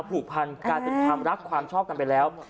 ผูกพันการรักความชอบกันไปแล้ว